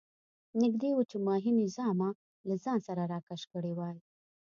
نږدې وو چې ماهي مې زامه له ځان سره راکش کړې وای.